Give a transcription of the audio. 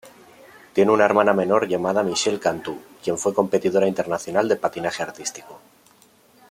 Tiene una hermana menor llamada Michele Cantú, quien fue competidora internacional de patinaje artístico.